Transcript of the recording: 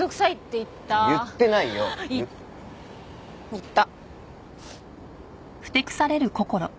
い言った。